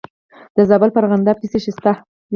د زابل په ارغنداب کې څه شی شته؟